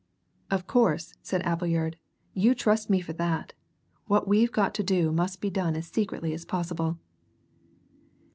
"Of course," said Appleyard. "You trust me for that! What we've got to do must be done as secretly as possible."